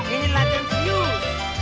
ini latihan serius